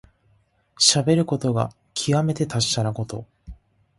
しゃべることがきわめて達者なこと。